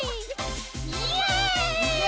イエイ！